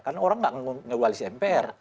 karena orang nggak ngevaluasi mpr